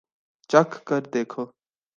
چکھ کر دیکھو